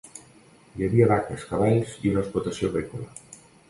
Hi havia vaques, cavalls i una explotació agrícola.